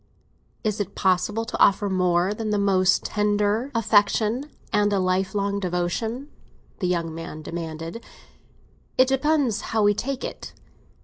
"Is it possible to offer more than the most tender affection and a lifelong devotion?" the young man demanded. "It depends how we take it.